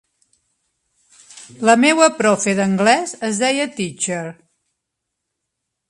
La meua profe d’anglès es deia “Teacher”.